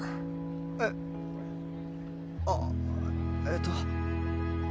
えっ？ああえっと。